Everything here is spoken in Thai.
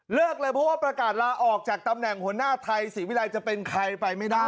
เลยเพราะว่าประกาศลาออกจากตำแหน่งหัวหน้าไทยศรีวิรัยจะเป็นใครไปไม่ได้